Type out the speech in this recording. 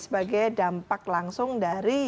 sebagai dampak langsung dari